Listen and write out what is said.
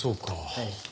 はい。